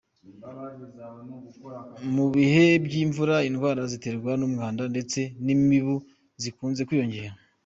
Mu bihe by'imvura indwara ziterwa n'umwanda ndetse n'imibu zikunze kwiyongera.